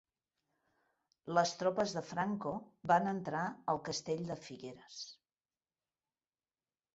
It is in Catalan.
Les tropes de Franco van entrar al castell de Figueres.